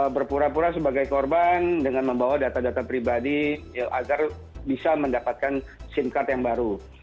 berpura pura sebagai korban dengan membawa data data pribadi agar bisa mendapatkan sim card yang baru